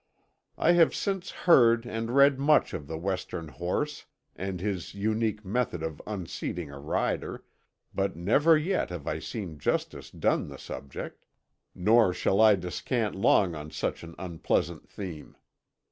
I have since heard and read much of the Western horse and his unique method of unseating a rider, but never yet have I seen justice done the subject. Nor shall I descant long on such an unpleasant theme.